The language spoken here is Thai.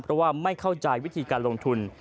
เพราะว่าไม่เข้าใจวิธีการลงทุน